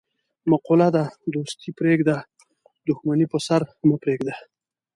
مقوله ده: دوستي پرېږده، دښمني په سر مه پرېږده.